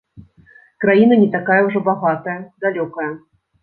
Краіна не такая ўжо багатая, далёкая.